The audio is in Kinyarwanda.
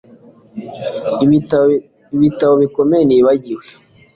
Ibitabo bikomeye nibagiwe